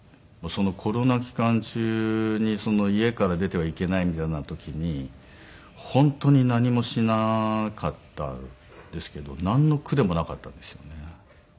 コロナ期間中に家から出てはいけないみたいな時に本当に何もしなかったですけどなんの苦でもなかったですよね。